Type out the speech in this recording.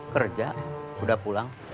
kerja udah pulang